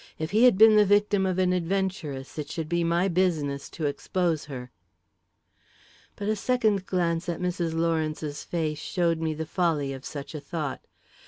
If he had been the victim of an adventuress, it should be my business to expose her! But a second glance at Mrs. Lawrence's face showed me the folly of such a thought.